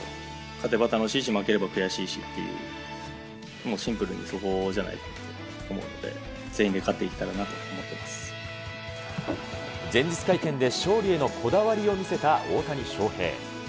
勝てば楽しいし、負ければ悔しいしっていう、もうシンプルにそこじゃないかなと思うので、全員で勝っていけた前日会見で勝利へのこだわりを見せた大谷翔平。